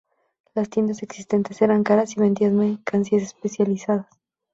Las tiendas existentes eran caras y vendían mercancías especializadas.